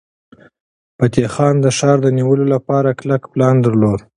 فتح خان د ښار د نیولو لپاره کلک پلان درلود.